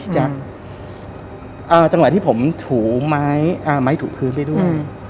จังหวะที่ผมถูไม้ถูพื้นไปด้วย